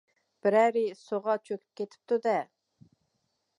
بىرەرى سۇغا چۆكۈپ كېتىپتۇ-دە؟